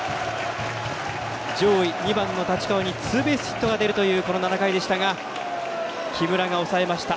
上位２番の太刀川にツーベースヒットが出るというこの７回でしたが木村が抑えました。